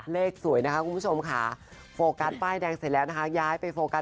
เลยสวยนะคะคุณผู้ชมโฟกัสป้ายแดงเสร็จแล้วนะคะ